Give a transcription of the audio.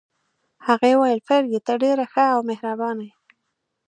هغې وویل: فرګي، ته ډېره ښه او مهربانه يې.